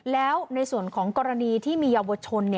แล้วในส่วนของกรณีที่มีเยาวชน